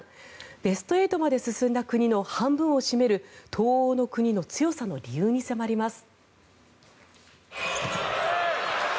ベスト８まで進んだ国の半分を占める東欧の国の強さの理由に迫ります。